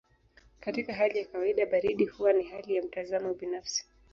Katika hali ya kawaida baridi huwa ni hali ya mtazamo binafsi.